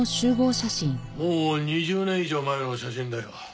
もう２０年以上前の写真だよ。